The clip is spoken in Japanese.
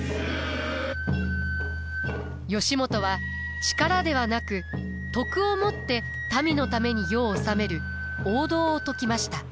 義元は力ではなく徳をもって民のために世を治める王道を説きました。